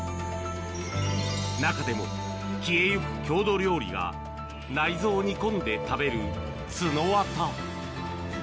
中でも、消えゆく郷土料理が内臓を煮込んで食べる、つのわた。